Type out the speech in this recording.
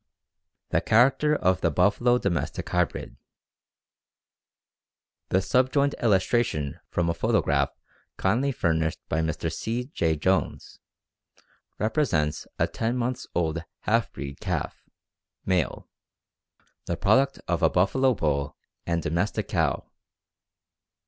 The character of the buffalo domestic hybrid. The subjoined illustration from a photograph kindly furnished by Mr. C. J. Jones, represents a ten months' old half breed calf (male), the product of a buffalo bull and domestic cow.